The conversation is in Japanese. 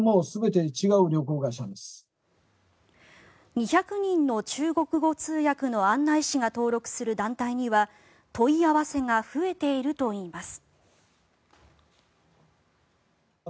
２００人の中国語通訳の案内士が登録する団体には問い合わせが増えているといいます。